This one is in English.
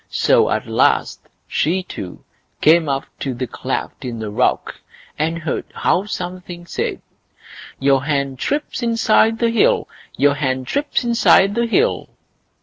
So at last she too came up to the cleft in the rock, and heard how something said: Your hen trips inside the hill! Your hen trips inside the hill!